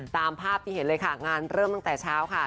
ตามภาพที่เห็นเลยค่ะงานเริ่มตั้งแต่เช้าค่ะ